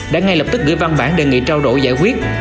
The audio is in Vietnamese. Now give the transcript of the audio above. đã ngay lập tức gửi văn bản đề nghị trao đổi giải quyết